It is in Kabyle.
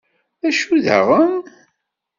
D acu daɣen?